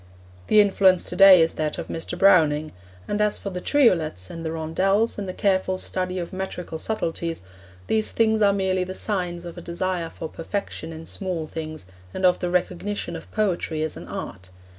The influence to day is that of Mr. Browning. And as for the triolets, and the rondels, and the careful study of metrical subtleties, these things are merely the signs of a desire for perfection in small things and of the recognition of poetry as an art.